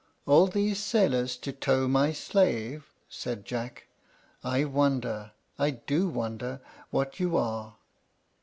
"All these sailors to tow my slave!" said Jack. "I wonder, I do wonder, what you are?"